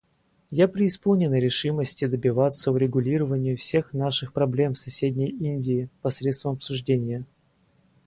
Я преисполнена решимости добиваться урегулированию всех наших проблем с соседней Индии посредством обсуждения.